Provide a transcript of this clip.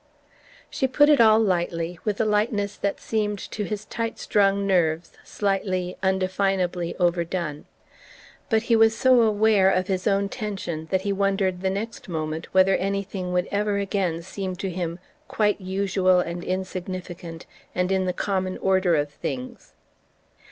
She put it all lightly, with a lightness that seemed to his tight strung nerves slightly, undefinably over done. But he was so aware of his own tension that he wondered, the next moment, whether anything would ever again seem to him quite usual and insignificant and in the common order of things.